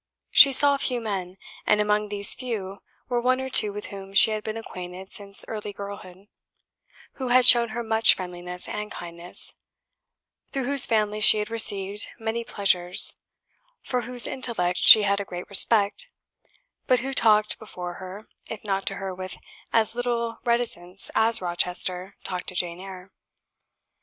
She saw few men; and among these few were one or two with whom she had been acquainted since early girlhood, who had shown her much friendliness and kindness, through whose family she had received many pleasures, for whose intellect she had a great respect, but who talked before her, if not to her with as little reticence as Rochester talked to Jane Eyre.